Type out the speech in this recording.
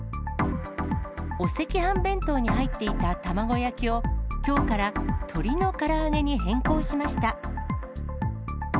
お赤飯弁当に入っていた卵焼きをきょうから鶏のから揚げに変更しました。